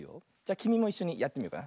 きみもいっしょにやってみようかな。